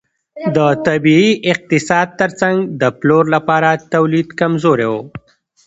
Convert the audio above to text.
د طبیعي اقتصاد ترڅنګ د پلور لپاره تولید کمزوری و.